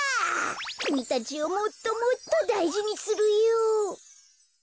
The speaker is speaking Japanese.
きみたちをもっともっとだいじにするよ。